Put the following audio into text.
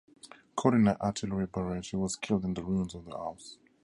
Caught in an artillery barrage, he was killed in the ruins of the house.